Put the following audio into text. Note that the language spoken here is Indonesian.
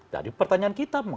jadi pertanyaan kita